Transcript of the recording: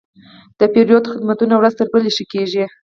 د پیرود خدمتونه ورځ تر بلې ښه کېږي.